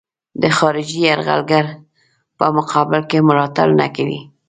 د خارجي یرغلګر په مقابل کې ملاتړ نه کوي.